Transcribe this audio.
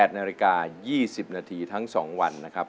๘นาฬิกา๒๐นาทีทั้ง๒วันนะครับ